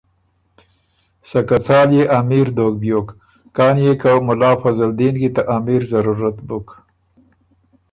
سکه څال يې امیر دوک بیوک کان يې که مُلا فضل دین کی ته امیر ضروت بُک۔